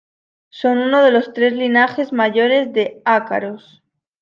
Son uno de los tres linajes mayores de ácaros.